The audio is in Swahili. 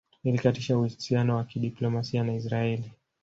Ilikatisha uhusiano wa kidiplomasia na Israeli